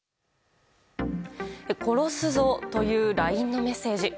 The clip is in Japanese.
殺すぞというＬＩＮＥのメッセージ。